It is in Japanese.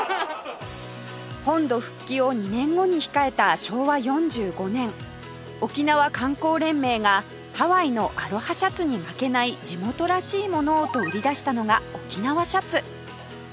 本土復帰を２年後に控えた昭和４５年沖縄観光連盟がハワイのアロハシャツに負けない地元らしいものをと売り出したのが沖縄シャツ